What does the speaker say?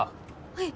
はい。